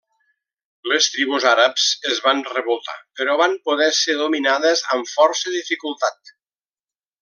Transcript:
Les tribus àrabs es van revoltar, però van poder ser dominades amb força dificultat.